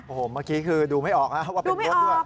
โอ้โหเมื่อกี้คือดูไม่ออกนะว่าเป็นรถด้วย